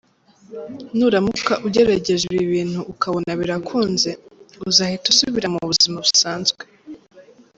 Nuramuka ugerageje ibi bintu ukabona birakunze, uzahita usubira mu buzima busanzwe.